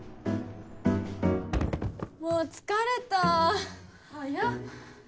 もう疲れた早っ！